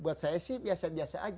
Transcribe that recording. buat saya sih biasa biasa aja